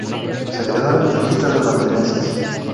Se quedó en las listas durante meses.